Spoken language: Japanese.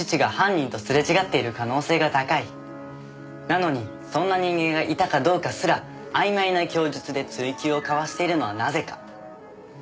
なのにそんな人間がいたかどうかすらあいまいな供述で追及をかわしているのはなぜか？